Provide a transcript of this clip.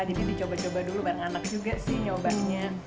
jadi dicoba coba dulu bareng anak juga sih nyobanya